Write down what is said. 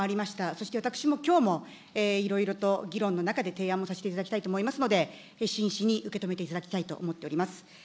そして私も、きょうもいろいろと議論の中で提案もさせていただきたいと思いますので、真摯に受け止めていただきたいと思っております。